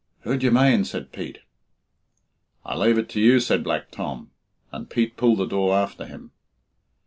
"Who d'ye mane?" said Pete. "I lave it with you," said Black Tom; and Pete pulled the door after him.